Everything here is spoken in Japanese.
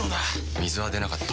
水は出なかった。